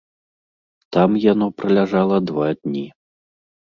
Там яно праляжала два дні.